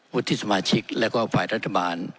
ที่สมาชิกและก็ฝ่ายรัฐบาล